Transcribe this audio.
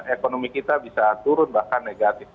ekonomi kita bisa turun bahkan negatif